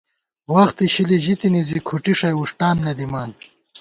وخت اِشِلی ژِتِنی زی ، کھُٹی ݭَئی وُݭٹان نہ دِمان